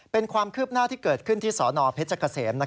เป็นความคืบหน้าที่เกิดขึ้นที่สนเพชรเกษม